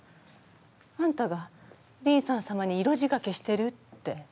あんたがリンサン様に色仕掛けしてるって。